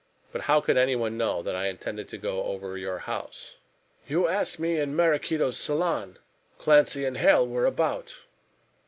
But how could anyone know that I intended to go over your house?" "You asked me in Maraquito's salon. Clancy and Hale were about."